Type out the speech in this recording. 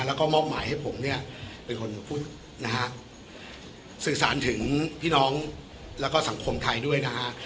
แล้วก็มอบหมายให้ผมเนี่ยเป็นคนพูดนะฮะสื่อสารถึงพี่น้องแล้วก็สังคมไทยด้วยนะฮะ